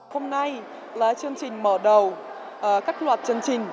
hôm nay là chương trình mở đầu các loạt chương trình